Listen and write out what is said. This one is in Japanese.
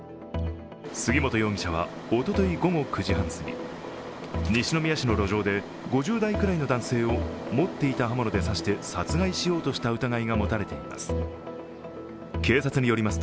杉本容疑者は、おととい午後９時半すぎ、西宮市の路上で５０代ぐらいの男性を持っていた刃物で刺して殺害しようとした疑いが持たれています。